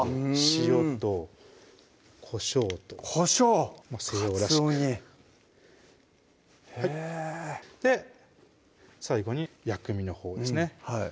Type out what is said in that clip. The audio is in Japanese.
塩とこしょうとこしょうかつおにへぇ最後に薬味のほうですね